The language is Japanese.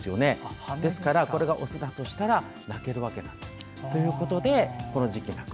ですから、これがオスだとしたら鳴けるわけなんです。ということで、この時期鳴く。